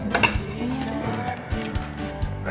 nasi ini enak gak